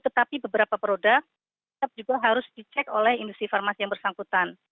tetapi beberapa produk tetap juga harus dicek oleh industri farmasi yang bersangkutan